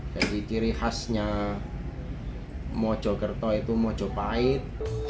jadi ciri khasnya mojokerto itu mojopait